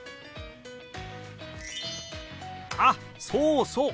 あっそうそう！